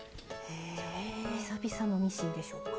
久々のミシンでしょうか？